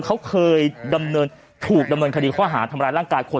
เขาเคยดำเนินถูกดำเนินคดีข้อหาทำร้ายร่างกายคน